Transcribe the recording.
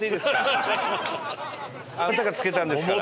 あなたが付けたんですから。